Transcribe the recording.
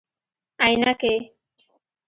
👓 عینکي